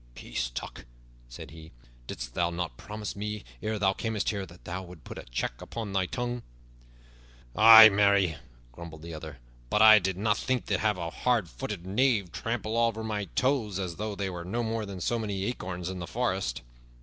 "Peace, Tuck," said he, "didst thou not promise me, ere thou camest here, that thou wouldst put a check upon thy tongue?" "Ay, marry," grumbled the other, "but 'a did not think to have a hard footed knave trample all over my poor toes as though they were no more than so many acorns in the forest."